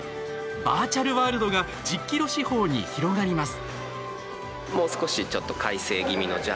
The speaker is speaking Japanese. バーチャルワールドが１０ｋｍ四方に広がります。